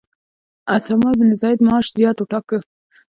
اسامه بن زید معاش زیات وټاکه.